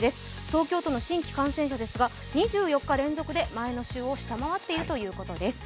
東京都の新規感染者ですが２４日連続で前の週を下回っているということです。